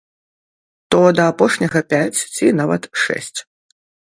То да апошняга пяць ці нават шэсць.